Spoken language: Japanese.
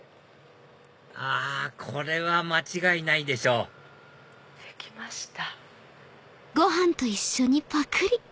あこれは間違いないでしょできました。